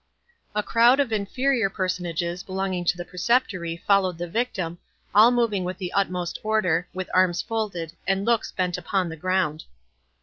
A crowd of inferior personages belonging to the Preceptory followed the victim, all moving with the utmost order, with arms folded, and looks bent upon the ground.